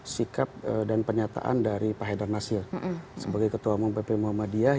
sikap dan pernyataan dari pak haidar nasir sebagai ketua umum pp muhammadiyah